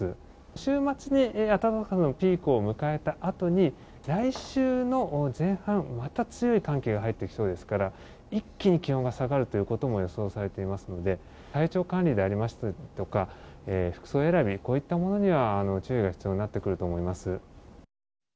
週末に暖かさのピークを迎えたあとに来週の前半、また強い寒気が入ってきそうですから一気に気温が下がることも予想されていますので体調管理でありますとか服装選びに注意が必要になってくると思います。